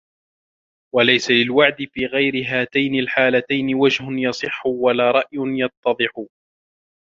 وَلَيْسَ لِلْوَعْدِ فِي غَيْرِ هَاتَيْنِ الْحَالَتَيْنِ وَجْهٌ يَصِحُّ وَلَا رَأْيٌ يَتَّضِحُ